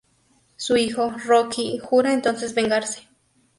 Su hijo, Rocky, jura entonces vengarse.